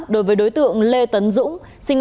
đối với đối tượng lê tấn dũng